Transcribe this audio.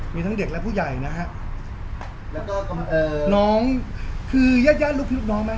มีทั้งเด็กและผู้ใหญ่นะฮะแล้วก็เอ่อน้องคือญาติญาติลูกพี่ลูกน้องไหม